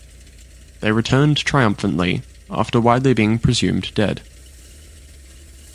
They returned triumphantly after widely being presumed dead.